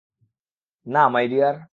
না, my deer.